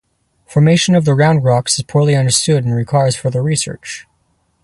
Formation of the round rocks is poorly understood and requires further research.